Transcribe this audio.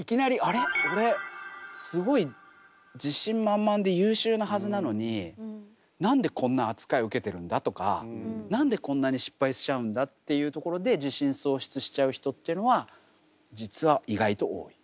俺すごい自信満々で優秀なはずなのに何でこんな扱い受けてるんだ？とか何でこんなに失敗しちゃうんだ？っていうところで自信喪失しちゃう人っていうのは実は意外と多い。